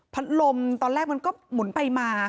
ลมตอนแรกมันก็หมุนไปมา